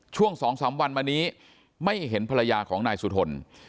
ช่วง๒๓วันมานี้ไม่เห็นภรรยาของนายสุทน